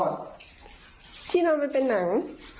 วิ่งที่นำมันเป็นหนัง